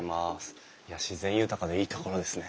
いや自然豊かでいい所ですね。